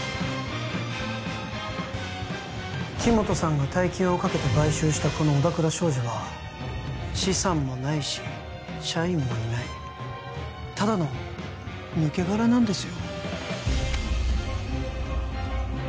木元さんが大金をかけて買収したこの小田倉商事は資産もないし社員もいないただの抜け殻なんですよ